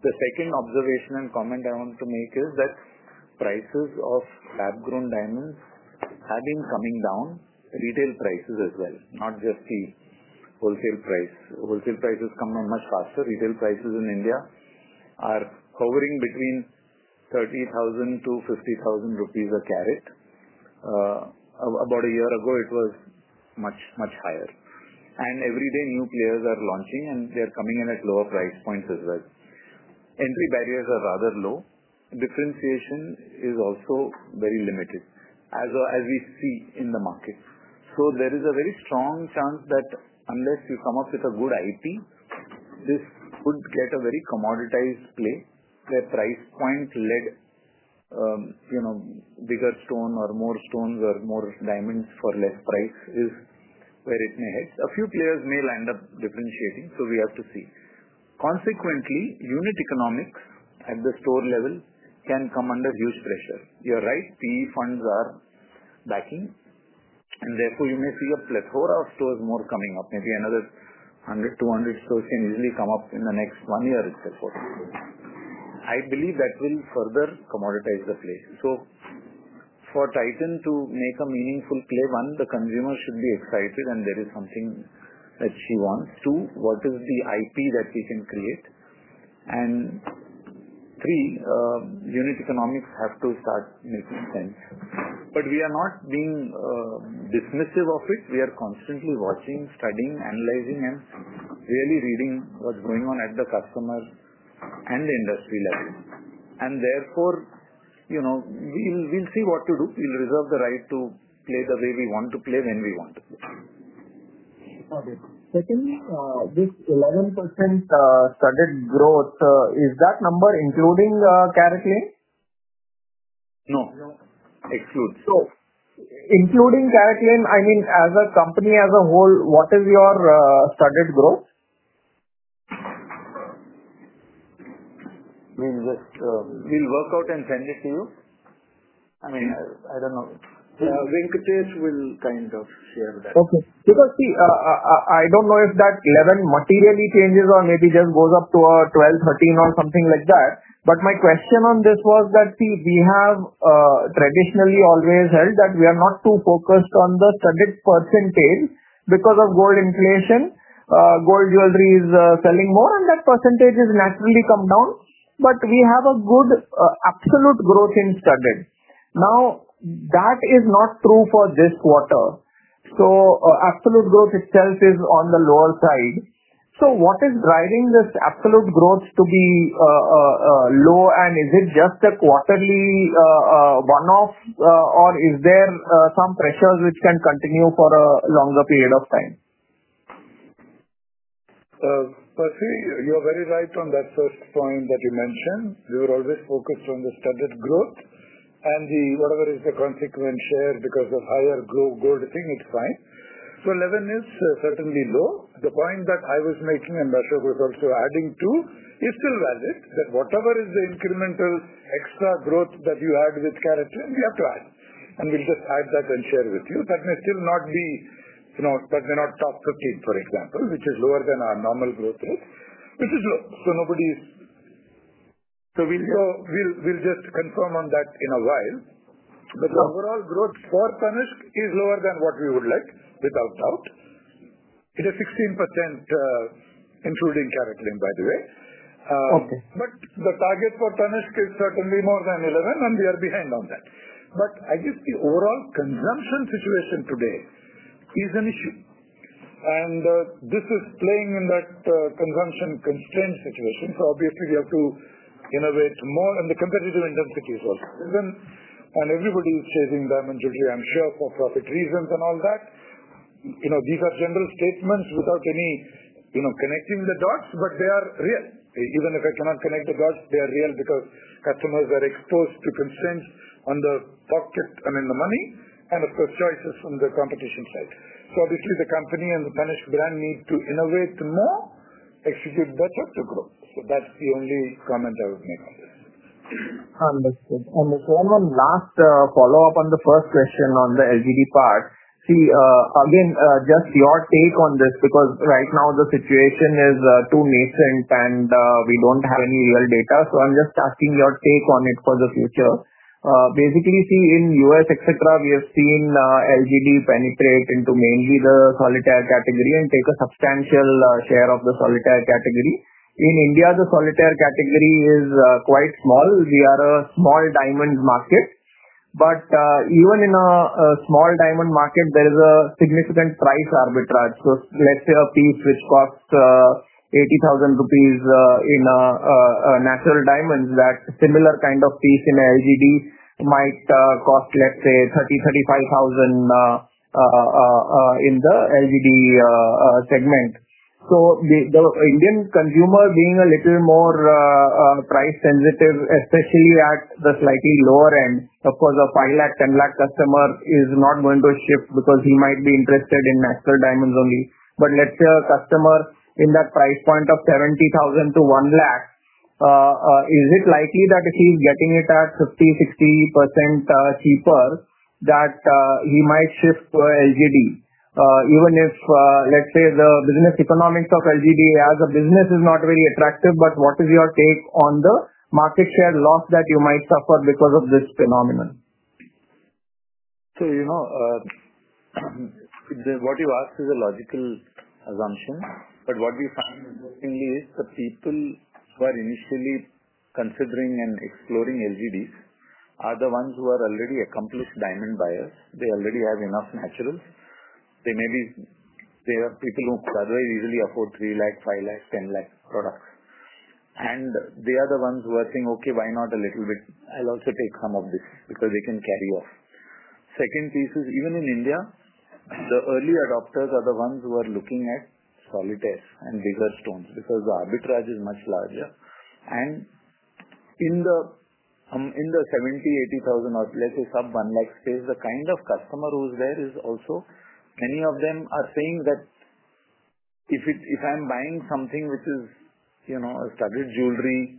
The second observation and comment I want to make is that prices of lab-grown diamonds have been coming down, retail prices as well, not just the wholesale price. Wholesale prices come much faster. Retail prices in India are hovering between 30,000-50,000 rupees a carat. About a year ago, it was much, much higher. Every day, new players are launching, and they're coming in at lower price points as well. Entry barriers are rather low. Differentiation is also very limited, as we see in the markets. There is a very strong chance that unless you come up with a good IP, this could get a very commoditized play where price points led, you know, bigger stone or more stones or more diamonds for less price is where it may head. A few players may end up differentiating. We have to see. Consequently, unit economics at the store level can come under huge pressure. You're right. PE funds are backing. Therefore, you may see a plethora of stores more coming up. Maybe another 100, 200 stores can easily come up in the next one year, etc. I believe that will further commoditize the play. For Titan to make a meaningful play, one, the consumer should be excited, and there is something that she wants. Two, what is the IP that we can create? Three, unit economics have to start making sense. We are not being dismissive of it. We are constantly watching, studying, analyzing, and really reading what's going on at the customer and the industry level. Therefore, you know, we'll see what to do. We'll reserve the right to play the way we want to play when we want to play. Got it. Secondly, this 11% studded growth, is that number including CaratLane? No. Exclude. Including CaratLane, I mean, as a company, as a whole, what is your studded growth? Just. We'll work out and send this news. I don't know. Venkatesh will kind of share that. Okay. I don't know if that 11% materially changes or maybe just goes up to a 12%, 13%, or something like that. My question on this was that we have traditionally always held that we are not too focused on the studded percentage because of gold inflation. Gold jewelry is selling more, and that percentage has naturally come down. We have a good absolute growth in studded. That is not true for this quarter. Absolute growth itself is on the lower side. What is driving this absolute growth to be low? Is it just a quarterly one-off, or is there some pressures which can continue for a longer period of time? Per se, you're very right on that first point that you mentioned. We were always focused on the studded growth, and whatever is the consequent share because of higher growth, gold thing, it's fine. So 11% is certainly low. The point that I was making, and that's what I was also adding to, is still valid, that whatever is the incremental extra growth that you add with CaratLane, we have to add. We'll just add that and share with you. That may still not be from, that may not top 15%, for example, which is lower than our normal growth rate, which is low. We'll just confirm on that in a while. The overall growth for Tanishq is lower than what we would like, without doubt. It is 16%, including CaratLane, by the way. Okay. The target for Tanishq is certainly more than 11, and we are behind on that. I guess the overall consumption situation today is an issue. This is playing in that consumption constrained situation. Obviously, we have to innovate more, and the competitive intensity is also there. Everybody is saving diamonds, I'm sure, for profit reasons and all that. These are general statements without any, you know, connecting the dots, but they are real. Even if I cannot connect the dots, they are real because customers are exposed to constraints on the pocket, I mean, the money, and of course, choices from the competition side. Obviously, the company and the Tanishq brand need to innovate more. It should be better to go. That's the only comment I would make on that. Understood. Understood. One last follow-up on the first question on the LGD part. Just your take on this because right now the situation is too recent, and we don't have any real data. I'm just asking your take on it for the future. Basically, in the U.S., etc., we have seen LGD penetrate into mainly the solitaire category and take a substantial share of the solitaire category. In India, the solitaire category is quite small. We are a small diamond market. Even in a small diamond market, there is a significant price arbitrage. Let's say a piece which costs 80,000 rupees in a natural diamond, that similar kind of piece in LGD might cost, let's say, 30,000 or 35,000 in the LGD segment. The Indian consumer is a little more price sensitive, especially at the slightly lower end. Of course, a 500,000 or 1,000,000 customer is not going to shift because he might be interested in natural diamonds only. Let's say a customer in that price point of 70,000-100,000, is it likely that if he's getting it at 50% to 60% cheaper, he might shift to LGD? Even if the business economics of LGD as a business is not very attractive, what is your take on the market share loss that you might suffer because of this phenomenon? What you ask is a logical assumption. What we find interestingly is the people who are initially considering and exploring lab-grown diamonds (LGD) are the ones who are already accomplished diamond buyers. They already have enough naturals. They may be people who otherwise easily afford 300,000, 500,000, 1,000,000 products. They are the ones who are saying, "Okay, why not a little bit? I'll also take some of this because they can carry off." The second piece is even in India, the early adopters are the ones who are looking at solitaire and bigger stones because the arbitrage is much larger. In the 70,000, 80,000, or let's say sub 100,000 space, the kind of customer who's there is also, many of them are saying that if I'm buying something which is a studded jewelry,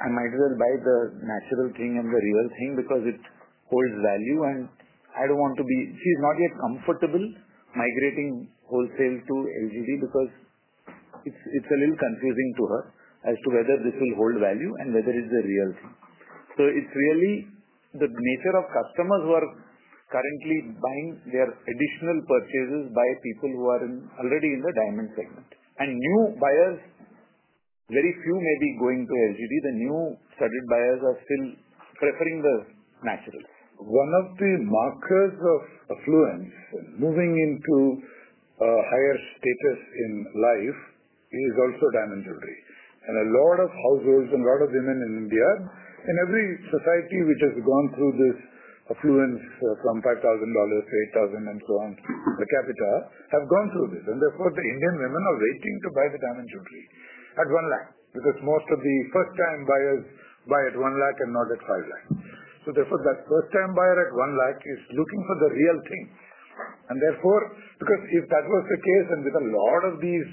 I might as well buy the natural thing and the real thing because it holds value. She's not yet comfortable migrating wholesale to LGD because it's a little confusing to her as to whether this will hold value and whether it's the real thing. It's really the nature of customers who are currently buying; they are additional purchases by people who are already in the diamond segment. New buyers, very few may be going to LGD. The new studded buyers are still preferring the naturals. One of the markers of affluence moving into a higher status in life is also diamond jewelry. A lot of households and a lot of women in India, in every society which has gone through this affluence, compact $1,000, $8,000, and so on, the capital have gone through this. Therefore, the Indian women are waiting to buy the diamond jewelry at 100,000 because most of the first-time buyers buy at 100,000 and not at 500,000. That first-time buyer at 100,000 is looking for the real thing. If that was the case and with a lot of these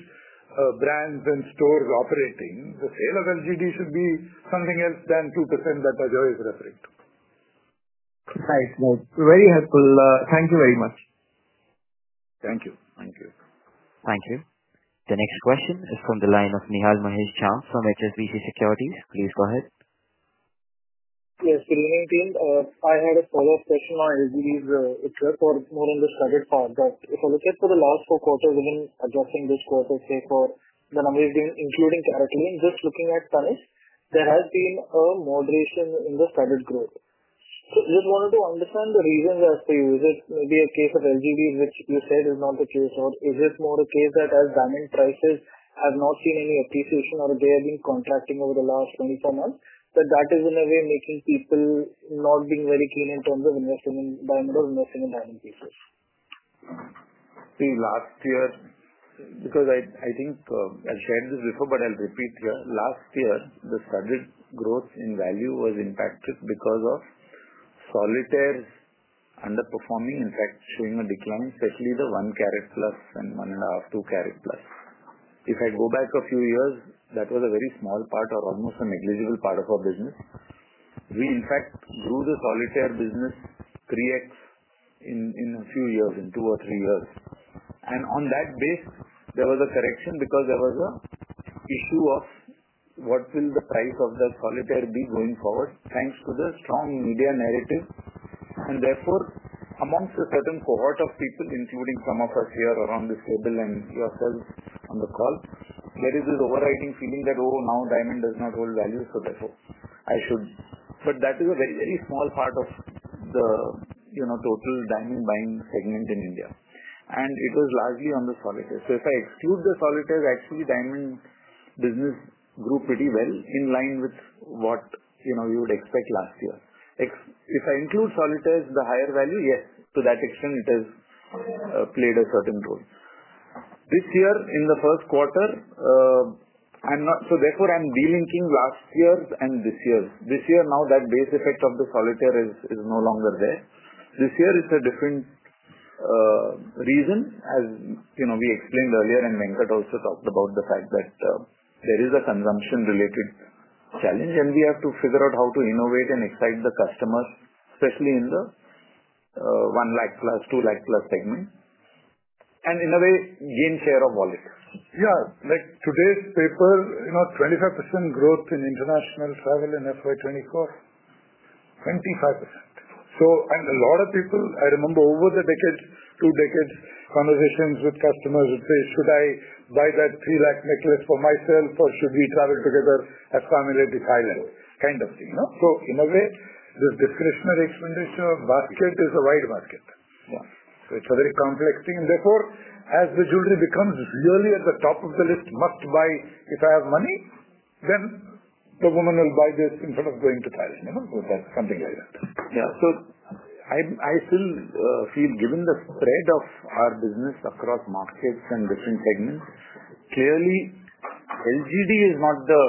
brands and stores operating, the sale of LGD should be something else than 2% that Ajoy is referring to. Nice. Very helpful. Thank you very much. Thank you. Thank you. Thank you. The next question is from the line of Nihal Mahesh Jham from HSBC Securities. Please go ahead. Yes. Good evening, team. I had a follow-up question on LGD itself or more on the studded part. If I look at the last two quarters, even addressing this quarter's take for the numbers being including CaratLane, just looking at Tanishq, there has been a moderation in the studded growth. I just wanted to understand the reasons as to is it maybe a case of LGD, which you said is not the case, or is it more a case that as diamond prices have not seen any appreciation or they have been contracting over the last 24 months? That is in a way making people not being very keen in terms of buying those nice diamond pieces. See, last year, because I think I shared this before, but I'll repeat here. Last year, the studded growth in value was impacted because of solitaire underperforming, in fact, doing a decline, especially the one carat plus and one and a half, two carat plus. If I go back a few years, that was a very small part or almost a negligible part of our business. We, in fact, grew the solitaire business 3x in a few years, in two or three years. On that base, there was a correction because there was an issue of what will the price of that solitaire be going forward thanks to the strong media narrative. Therefore, amongst a certain cohort of people, including some of us here around this mobile and you, of course, on the call, there is this overriding feeling that, "Oh, now diamond does not hold value, so therefore, I should." That is a very, very small part of the total diamond buying segment in India. It was largely on the solitaire. If I exclude the solitaires, actually, diamond business grew pretty well in line with what you would expect last year. If I include solitaires, the higher value, yes, to that extent, it has played a certain role. This year, in the first quarter, I am relinking last year and this year. This year, now that base effect of the solitaire is no longer there. This year is a different reason. As you know, we explained earlier, and Venkat also talked about the fact that there is a consumption-related challenge, and we have to figure out how to innovate and excite the customer, especially in the 100,000+, 200,000+ segment. In a way, gain share of wallet. Yeah. Like today's paper, you know, 25% growth in international travel in FY 2024, 25%. A lot of people, I remember over the decade, two decades, conversations with customers would say, "Should I buy that 300,000 necklace for myself or should we travel together at INR 585,000?" and kind of thing. In a way, this discretionary expenditure basket is a wide basket. It's a very complex thing. Therefore, as the jewelry becomes really at the top of the list, mocked by, "If I have money, then the woman will buy this instead of going to Thailand," you know, something like that. I still feel, given the spread of our business across markets and different segments, clearly, LGD is not the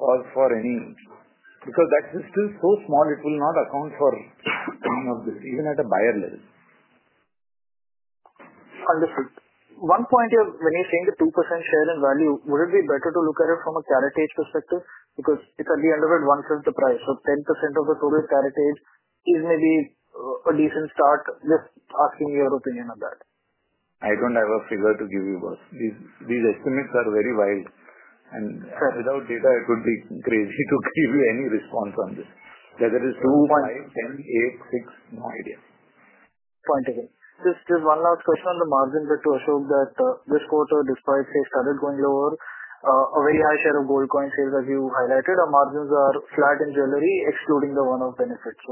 cause for any issue because that is still so small, it will not account for any of this, even at a buyer level. Understood. One point here, when you're saying the 2% share in value, would it be better to look at it from a caratage perspective? Because if at the end of it, 1/5 the price or 10% of the total caratage is maybe a decent start, just asking your opinion on that. I don't have a figure to give you both. These estimates are very wild. Without data, I could be crazy to give you any response on this. Whether it's 2%, 5%, 10%, 8%, 6%, no idea. Point taken. Just one last question on the margin bit: to assume that this quarter, this price started going lower, a very high share of gold coin sales, as you highlighted, our margins are flat in jewelry, excluding the one-off benefits.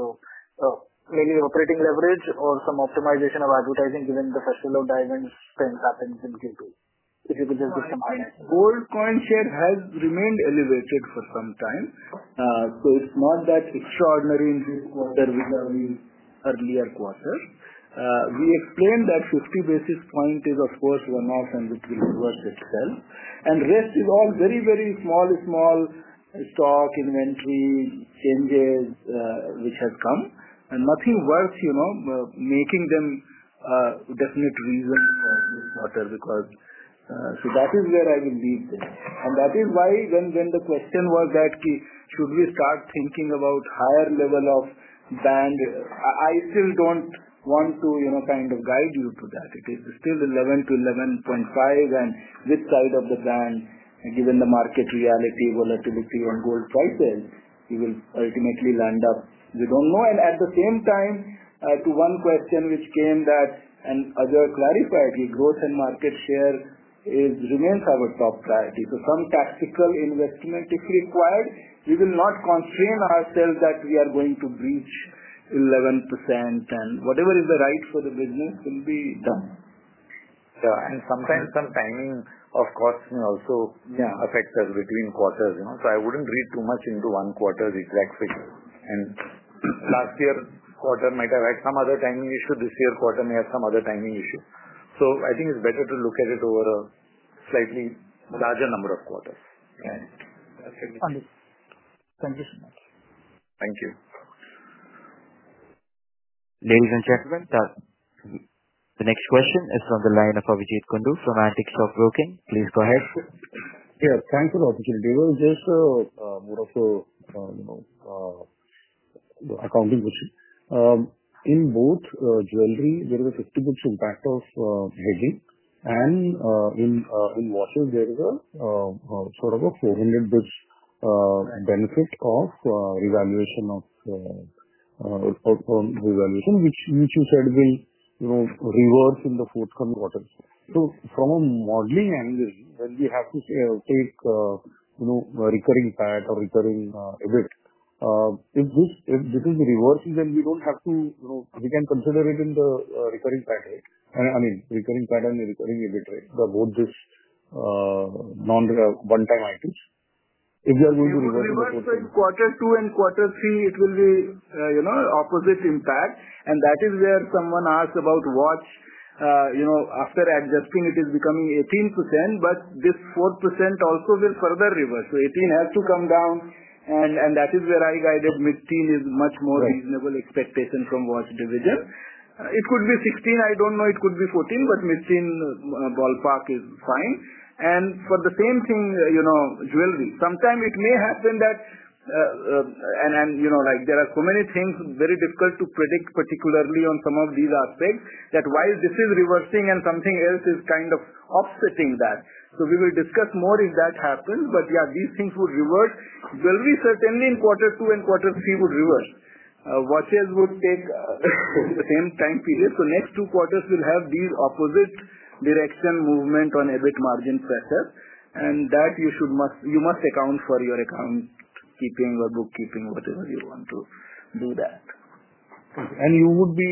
Maybe the operating leverage or some optimization of advertising given the festival of diamonds happens in Q2. I think gold coin share has remained elevated for some time, so it's not that extraordinary in this quarter vis-à-vis earlier quarters. We claim that 50 basis points is, of course, one-off and which will work itself. The rest is all very, very small, small stock inventory changes, which has come. Nothing worse, you know, making them a definite reason for this quarter because that is where I would be. That is why when the question was that, "Should we start thinking about a higher level of band?" I still don't want to, you know, kind of guide you to that. It is still 11%-1.5%. This side of the band, given the market reality, volatility on gold, I feel we will ultimately land up. We don't know. At the same time, to one question which came that, and as I clarified, with growth in market share, it remains our top priority. Some tactical investment, if required, we will not constrain ourselves that we are going to breach 11%. Whatever is the right for the business will be done. Sometimes some timing, of course, can also affect us between quarters. You know, I wouldn't read too much into one quarter's exact figure. Last year, quarter might have had some other timing issues. This year, quarter may have some other timing issues. I think it's better to look at it over a slightly larger number of quarters. Yes, that's a good point. Thank you, sir. Thank you. Ladies and gentlemen, the next question is from the line of Abhijeet Kundu from Antique Stock Broking. Please go ahead. Yeah. Thanks for the opportunity. It was just more of an accounting question. In both jewelry, there is a 50 basis point impact of hedging. In watches, there is a sort of a 400 basis point benefit of revaluation, which you said will reverse in the forthcoming quarters. From a modeling angle, when we have to take a recurring path or recurring EBIT, if this is reversing, then we don't have to, you know, we can consider it in the recurring pathway. I mean, recurring path and the recurring EBIT, right? They're both just non-one-time items. If we are going to reverse the. Even in quarter two and quarter three, it will be an opposite impact. That is where someone asked about watch. You know, after adjusting, it is becoming 18%. This 4% also will further reverse, so 18% has to come down. That is where I guided mid-teen is much more reasonable expectation from watch division. It could be 16%. I don't know. It could be 14%. Mid-teen ballpark is fine. For the same thing, you know, jewelry, sometimes it may happen that, and you know, like there are so many things very difficult to predict, particularly on some of these aspects, that while this is reversing and something else is kind of offsetting that. We will discuss more if that happens. These things would reverse. Jewelry certainly in quarter two and quarter three would reverse. Watches will take the same time period. The next two quarters will have these opposite direction movement on a bit margin pressure. You must account for your account keeping or bookkeeping, whatever you want to do that. You would be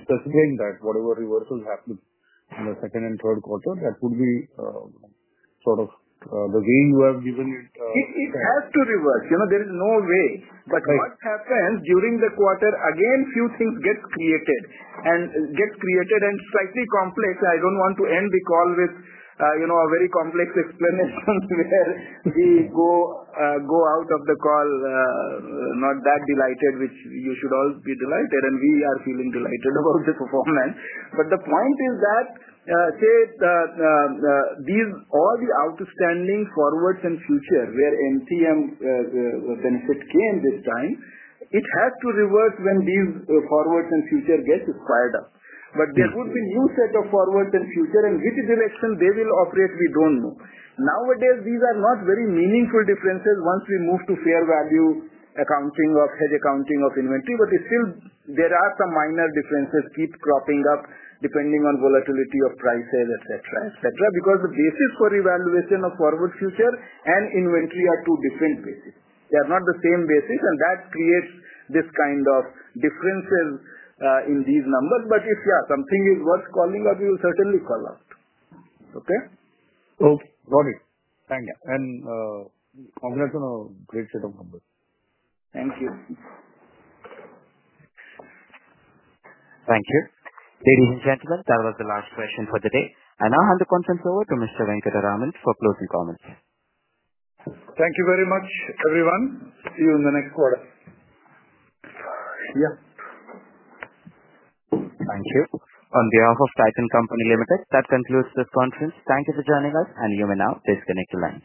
assessing that whatever reversal happens in the second and third quarter, that would be sort of the gain you have given it. It has to reverse. You know, there is no way. It happens during the quarter. A few things get created and get created and slightly complex. I don't want to end the call with, you know, a very complex explanation where we go out of the call not that delighted, which you should all be delighted. We are feeling delighted about the performance. The point is that, say, these all the outstanding forwards and future where NCM, coming with time, it has to reverse when these forwards and future gets acquired up. There would be a new set of forwards and future. Which direction they will operate, we don't know. Nowadays, these are not very meaningful differences once we move to fair value accounting of hedge accounting of inventory. It's still, there are some minor differences keep cropping up depending on volatility of prices, etc., etc. The basis for evaluation of forward future and inventory are two different bases. They are not the same basis. That creates this kind of difference in these numbers. If, yeah, something is worth calling out, we will certainly call out. Okay? Okay. Got it. Thank you, and congrats on a great set of numbers. Thank you. Thank you. Ladies and gentlemen, that was the last question for today. I'll hand the conference over to Mr. C K Venkataraman for closing comments. Thank you very much, everyone. See you in the next quarter. Yeah. Thank you. On behalf of Titan Company Limited, that concludes this conference. Thank you for joining us. You may now disconnect your line.